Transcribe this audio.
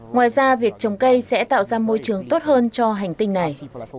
ngoài ra việc trồng cây sẽ tạo ra môi trường tốt hơn cho hành tinh này